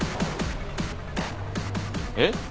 えっ？